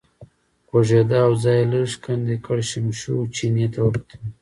غوږېده او ځای یې لږ کندې کړ، شمشو چیني ته وکتل.